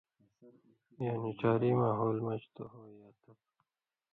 یعنی ڇھاری ماحول مژ تُو ہو یا تپ